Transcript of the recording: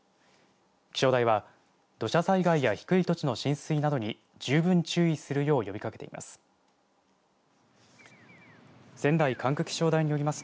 気象台は土砂災害や低い土地の浸水などに十分注意するよう呼びかけています。